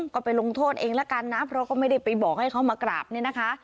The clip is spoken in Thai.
ก็ไปลงโทษเองละกันนะเพราะก็ไม่ได้ไปบอกให้เขามากราบเนี่ยนะคะ